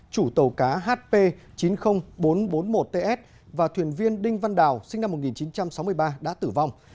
chủ tàu cá hp chín mươi nghìn bốn trăm bốn mươi một ts và thuyền viên đinh văn đào sinh năm một nghìn chín trăm sáu mươi ba đã tử vong